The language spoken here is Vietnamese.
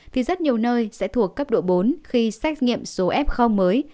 thì rất nhiều nơi sẽ thuộc cấp độ bốn khi xét nghiệm số f kho mới